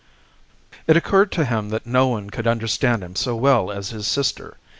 It occurred to him that no one could understand him so well as his sister.